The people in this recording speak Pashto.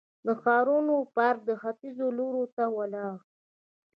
د ښارنو پارک ختیځ لوري ته ولاړو.